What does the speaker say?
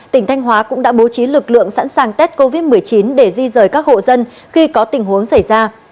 tỉnh thanh hóa cũng đã bố trí lực lượng sẵn sàng tết covid một mươi chín để di rời các hộ dân khi có tình huống xảy ra